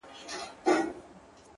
o سپی مي دغه هدیره کي ښخومه,